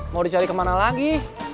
mau dicari kemana lagi